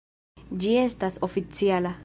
Ĝi estas oficiala!